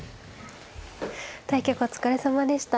対局お疲れさまでした。